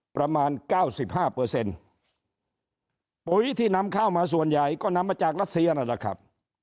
ประมาณ๙๕ปุ๋ยที่นำเข้ามาส่วนใหญ่ก็นำมาจากรัฐเสียนั่นแหละครับ